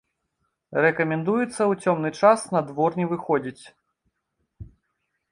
Рэкамендуецца ў цёмны час на двор не выходзіць.